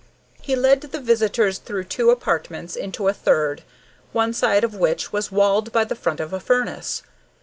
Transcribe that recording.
He led the visitors through two apartments into a third, one side of which was walled by the front of a furnace.